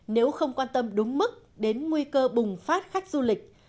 nếu không quan tâm đúng mức đến nguy cơ bùng phát khách du lịch